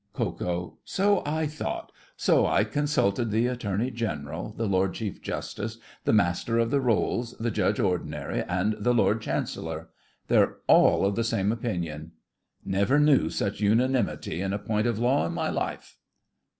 KO. So I thought; so I consulted the Attorney General, the Lord Chief Justice, the Master of the Rolls, the Judge Ordinary, and the Lord Chancellor. They're all of the same opinion. Never knew such unanimity on a point of law in my life!